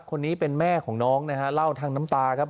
คนนี้เป็นแม่ของน้องนะฮะเล่าทางน้ำตาครับ